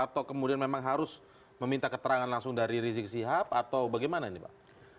atau kemudian memang harus meminta keterangan langsung dari rizik sihab atau bagaimana ini pak